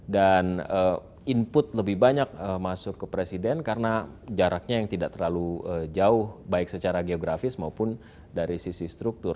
dan input lebih banyak masuk ke presiden karena jaraknya yang tidak terlalu jauh baik secara geografis maupun dari sisi struktur